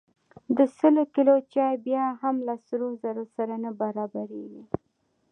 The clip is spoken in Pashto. د سل کیلو چای بیه هم له سرو زرو سره نه برابریږي.